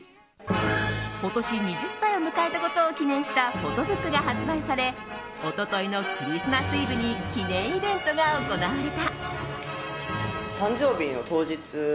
今年２０歳を迎えたことを記念したフォトブックが発売され一昨日のクリスマスイブに記念イベントが行われた。